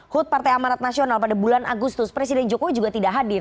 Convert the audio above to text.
hut partai amarat nasional pada bulan agustus presiden jokowi juga tidak hadir